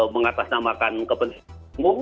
mengatasnamakan kepentingan umum